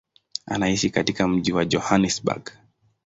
Anaishi katika mji wa Johannesburg.